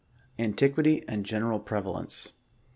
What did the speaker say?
ANTIQUITY AND GENERAL PREVALENCE.